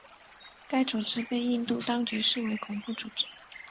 该组织被印度当局视为恐怖组织。